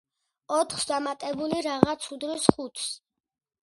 ოთხს დამატებული „რაღაც“ უდრის ხუთს.